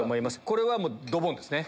これはドボンですね。